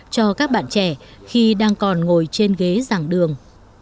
cho các bạn trẻ khi đang còn ngồi trên ghế giảng đường